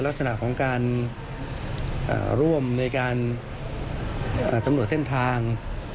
ลักษณะของการร่วมในการสำรวจเส้นทาง